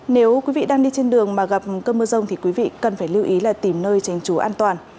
nếu quý vị đang đi trên đường mà gặp cơn mưa rông thì quý vị cần phải lưu ý là tìm nơi tránh trú an toàn